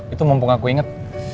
itu mumpung aku inget